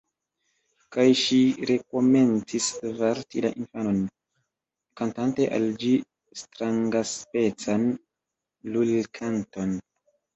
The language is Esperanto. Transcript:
Kaj ŝi rekomencis varti la infanon, kantante al ĝi strangaspecan lulkanton